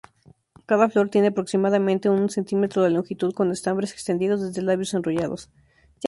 Cada flor tiene, aproximadamente, un cm de longitud con estambres extendidos desde labios enrollados.